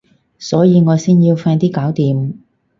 所以我先要快啲搞掂